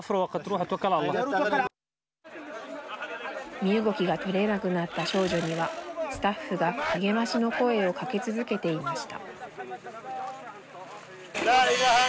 身動きが取れなくなった少女にはスタッフが励ましの声をかけ続けていました。